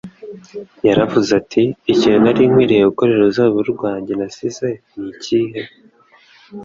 Yaravuze ati: «Ikintu nari nkwiriye gukorera uruzabibu rwanjye nasize ni ikihe?'»